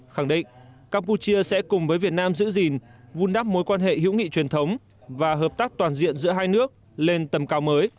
khẳng định campuchia sẽ cùng với việt nam giữ gìn vun đắp mối quan hệ hữu nghị truyền thống và hợp tác toàn diện giữa hai nước lên tầm cao mới